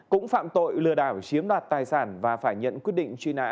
cũng phạm tội lừa đảo chiếm đoạt tài sản và phải nhận quyết định truy nã